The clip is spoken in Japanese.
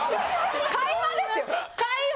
会話ですよ会話！